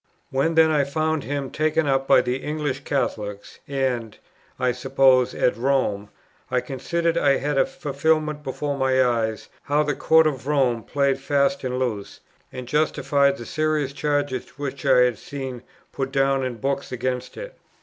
When then I found him taken up by the English Catholics, and, as I supposed, at Rome, I considered I had a fulfilment before my eyes how the Court of Rome played fast and loose, and justified the serious charges which I had seen put down in books against it.